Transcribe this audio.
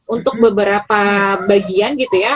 untuk beberapa bagian gitu ya